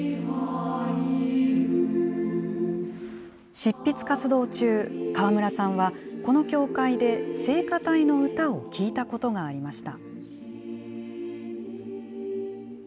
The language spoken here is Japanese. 執筆活動中、川村さんはこの教会で、聖歌隊の歌を聴いたことがありました。